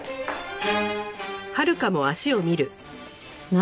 何？